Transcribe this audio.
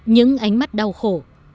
những ánh mắt đau khổ